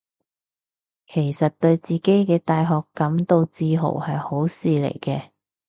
其實對自己嘅大學感到自豪係好事嚟嘅